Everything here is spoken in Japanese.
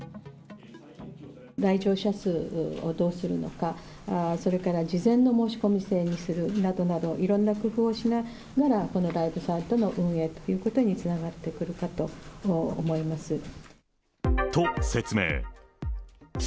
来場者数をどうするのか、それから事前の申し込み制にするなどなど、いろんな工夫をしながら、このライブサイトの運営につながってくるかと思います。